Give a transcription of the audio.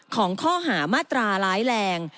ของข้อหามาตราร้ายแรง